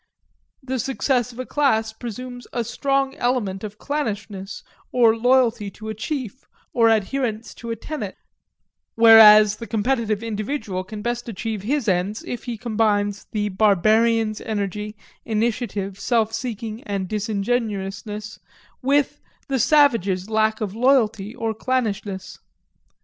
The success of a class or party presumes a strong element of clannishness, or loyalty to a chief, or adherence to a tenet; whereas the competitive individual can best achieve his ends if he combines the barbarian's energy, initiative, self seeking and disingenuousness with the savage's lack of loyalty or clannishness.